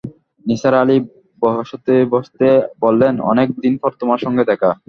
নিসার আলি বসাতে-বসতে বললেন, অনেক দিন পরে তোমার সঙ্গে দেখা।